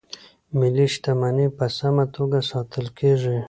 ملي شتمنۍ په سمه توګه ساتل کیږي.